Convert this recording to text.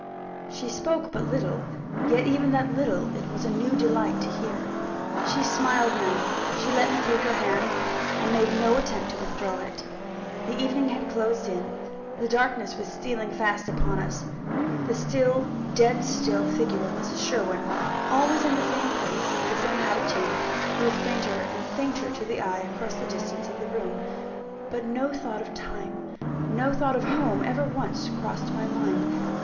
She spoke but little; yet even that little it was a new delight to hear. She smiled now; she let me take her hand, and made no attempt to withdraw it. The evening had closed in; the darkness was stealing fast upon us; the still, dead still figure of Mrs. Sherwin, always in the same place and the same attitude, grew fainter and fainter to the eye, across the distance of the room but no thought of time, no thought of home ever once crossed my mind.